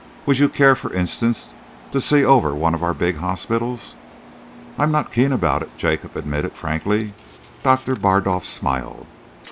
Would you care, for instance, to see over one of our big hospitals?" "I'm not keen about it," Jacob admitted frankly. Doctor Bardolf smiled.